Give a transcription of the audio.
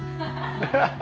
ハハハ。